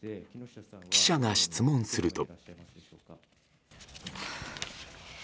記者が質問すると。